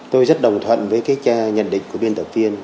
tôi rất đồng thuận với cái nhận định của biên tập viên